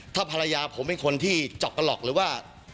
ถ้าภรรยาผมเป็นคนที่จอกกระหลอกหรือว่า